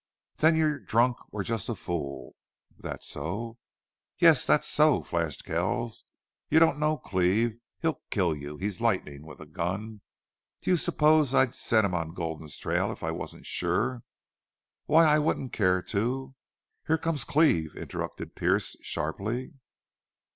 "Then you're drunk or just a fool." "Thet so?" "Yes, that's so," flashed Kells. "You don't know Cleve. He'll kill you. He's lightning with a gun. Do you suppose I'd set him on Gulden's trail if I wasn't sure? Why I wouldn't care to " "Here comes Cleve," interrupted Pearce, sharply.